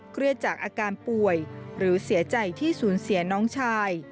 เครียดจากอาการป่วยหรือเสียใจที่สูญเสียน้องชาย